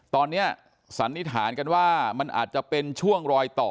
ตอนนี้สันนิษฐานกันว่ามันอาจจะเป็นช่วงรอยต่อ